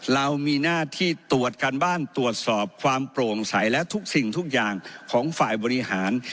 เรามีหน้าที่ตรวจการบ้านตรวจสอบความโปร่งใสและทุกสิ่งทุกอย่างของฝ่ายบริหาร